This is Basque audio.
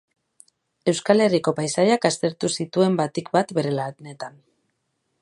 Euskal Herriko paisaiak aztertu zituen batik bat bere lanetan.